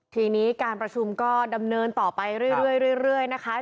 ทีนี้การประชุมก็ดำเนินต่อไปเรื่อยนะคะ